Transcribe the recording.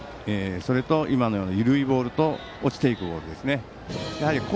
それと今のような緩いボールと落ちていくボールですね。